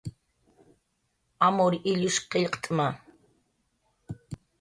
Amur illush qillqt'ma